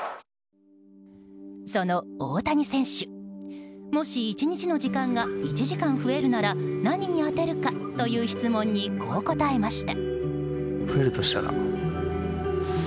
その大谷選手、もし１日の時間が１時間増えるなら何に充てるかという質問にこう答えました。